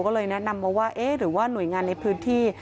ก็เลยแนะนำมาว่าเอ๊ะหรือว่าหน่วยงานในพื้นที่